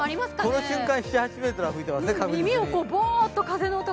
この瞬間７８ｍは確実に吹いていますね。